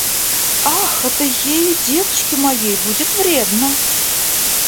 Ах, это ей, девочке моей, будет вредно!